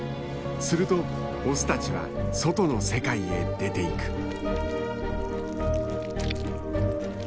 するとオスたちは外の世界へ出て行く。